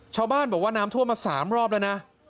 ชาวบ้านบอกว่าน้ำท่วมมา๓รอบแล้วนะ